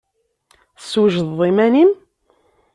Teswejdeḍ iman-im?